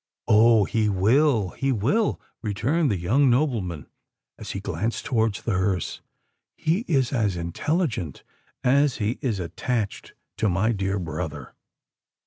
"Oh! he will—he will!" returned the young nobleman, as he glanced towards the hearse. "He is as intelligent as he is attached to my dear brother!"